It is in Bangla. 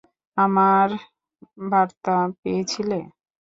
আমার বার্তা পেয়েছিলে?